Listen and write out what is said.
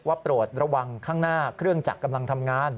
โปรดระวังข้างหน้าเครื่องจักรกำลังทำงาน